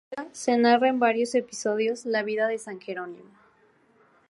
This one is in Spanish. En la predela se narra en varios episodios la vida de San Jerónimo.